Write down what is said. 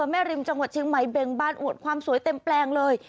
ริมจังหวัดเชียงใหม่เบ่งบานอวดความสวยเต็มแปลงเลย